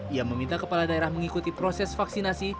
ia meminta kepala daerah mengikuti proses vaksinasi